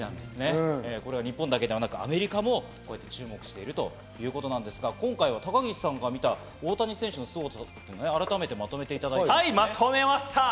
日本だけではなくアメリカも注目しているということなんですが、今回は高岸さんから見た大谷選手のすごさ、改めてまとめていただきました。